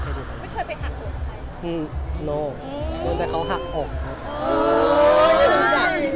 เคยไปหักห่วงใช่ไหมอือไม่เคยไปเขาหักห่วงครับ